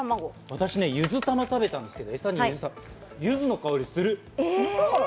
私、「ゆずたま」を食べたんですけど、ゆずの香りがする。